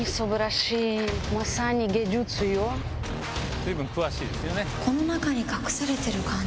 随分詳しいですよね。